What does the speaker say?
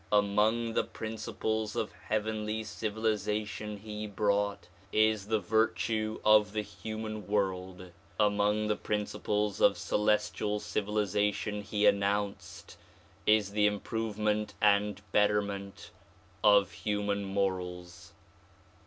Among the principles of heavenly civilization he brought is the virtue of the human world. Among the principles of celestial civilization he announced is the improvement and betterment of human morals.